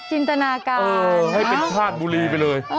จินตนาการเออให้เป็นชาติบุรีไปเลย